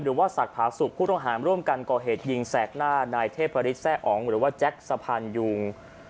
หรือว่าศักดิ์ผาสุกผู้ต้องหาร่วมกันก่อเหตุยิงแสกหน้านายเทพฤษแร่อ๋องหรือว่าแจ็คสะพานยุง